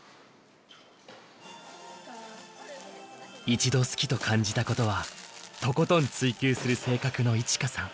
一度好きと感じたことはとことん追求する性格の衣千華さん。